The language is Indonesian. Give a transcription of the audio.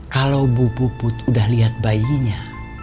kalau bu puput sudah lihat bayinya